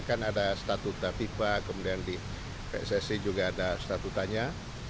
kan ada statuta fifa kemudian di pssi juga ada statutanya